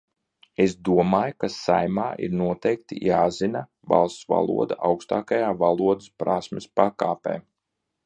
Es domāju, ka Saeimā ir noteikti jāzina valsts valoda augstākajā valodas prasmes pakāpē.